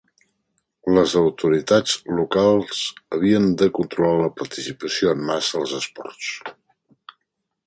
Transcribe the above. Les autoritats locals havien de controlar la participació en massa als esports.